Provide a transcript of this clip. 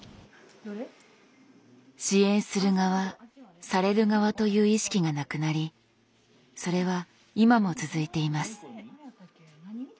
支援する側される側という意識がなくなりそれは今も続いています。